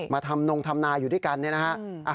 มาทำนงทำนาอยู่ด้วยกันเนี่ยนะฮะ